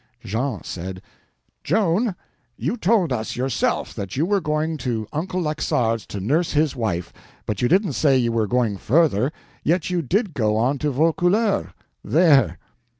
Jean said: "Joan, you told us yourself that you were going to Uncle Laxart's to nurse his wife, but you didn't say you were going further, yet you did go on to Vaucouleurs. There!"